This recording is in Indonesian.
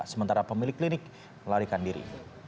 sementara pemilik klinik melarikan diri